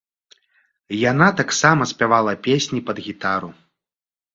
Яна таксама спявала песні пад гітару.